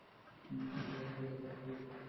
এরা তো আমাদেরই রক্ত, আমাদেরই অতিথি।